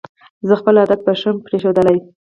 زه خپل عادت پشم پرېښودلې